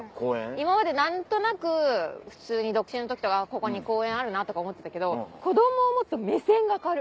今まで何となく普通に独身の時とか「ここに公園あるな」とか思ってたけど子供を持つと目線が変わる。